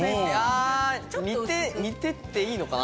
似てていいのかな？